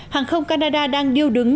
hàng không canada đang điêu đứng